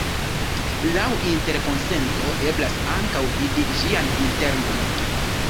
Laŭ interkonsento eblas ankaŭ vidi ĝian internon.